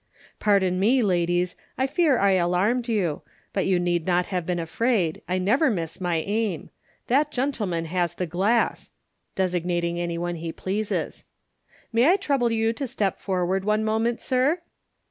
" Pardon me, ladies, I fear I alarmed you 5 but you need not have been afraid j I never miss my aim. That gentleman has the glass" (designating anyone he pleases). •' May I trouble you to step forward one moment, sir